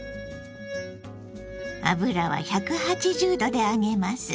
油は１８０℃で揚げます。